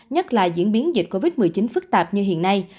nhất là diễn biến dịch covid một mươi chín phức tạp như hiện nay